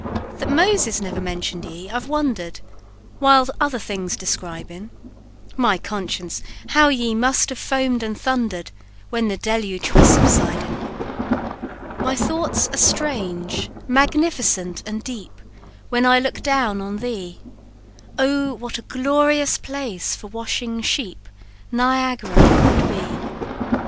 "That Moses never mention'd ye I've wonder'd, While other things describin'; My conscience! how ye must have foam'd and thunder'd When the deluge was subsidin'! "My thoughts are strange, magnificent, and deep, When I look down on thee; Oh, what a glorious place for washing sheep Niagara would be!